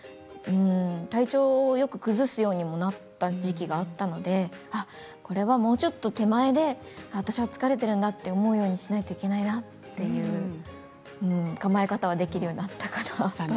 体調をよく崩すようにもなった時期もあったのでこれはもうちょっと手前で私は疲れているんだと思うようにしないといけないなと考え方はできるようになったかなと。